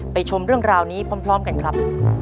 ชมเรื่องราวนี้พร้อมกันครับ